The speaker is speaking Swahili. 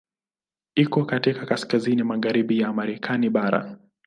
Iko katika kaskazini magharibi ya Marekani bara.